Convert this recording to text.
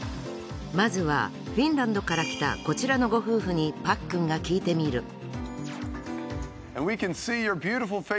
まずはフィンランドから来たこちらのご夫婦にパックンが聞いてみる。